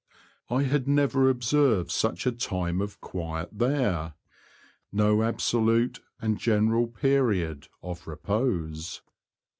I had never ob served such a time of quiet there ; no absolute and general period of repose.